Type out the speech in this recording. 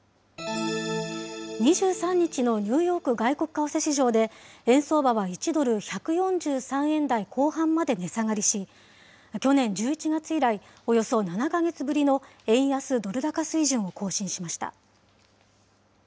２３日のニューヨーク外国為替市場で、円相場は１ドル１４３円台後半まで値下がりし、去年１１月以来、およそ７か月ぶりの円安ドル高水準を更新しました。